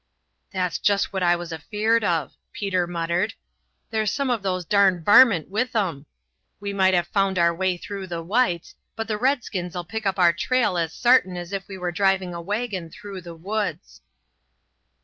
"That's just what I was afeared of," Peter muttered. "There's some of those darned varmint with 'em. We might have found our way through the whites, but the redskins'll pick up our trail as sartin as if we were driving a wagon through the woods."